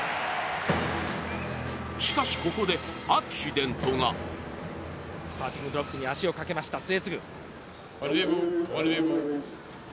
しかし、ここでアクシデントがスターティング・ブロックに足をかけました、末續。